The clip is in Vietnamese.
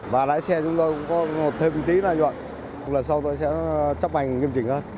và lái xe chúng tôi cũng có thêm tí lợi nhuận lần sau tôi sẽ chấp hành nghiêm trình hơn